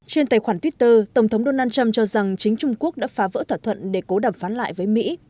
trên tài khoản twitter tổng thống donald trump cho rằng chính trung quốc đã phá vỡ thỏa thuận để cố đàm phán lại với mỹ